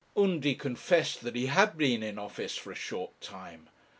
Undy confessed that he had been in office for a short time.